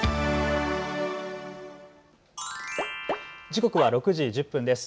時刻は６時１０分です。